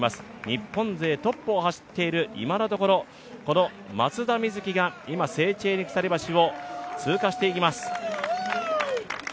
日本勢トップを走っている今のところ、この松田瑞生が今、セーチェーニ鎖橋を通過していきます。